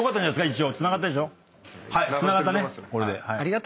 一応。